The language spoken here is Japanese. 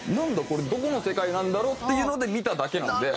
これどこの世界なんだろう？っていうので見ただけなんで。